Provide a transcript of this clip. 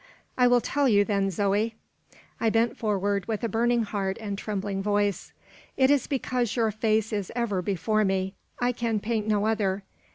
"I will tell you, then, Zoe." I bent forward, with a burning heart and trembling voice. "It is because your face is ever before me; I can paint no other.